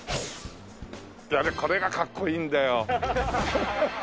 これがかっこいいんだよ。